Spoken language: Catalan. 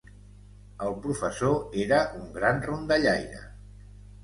El professor era un gran rondallaire.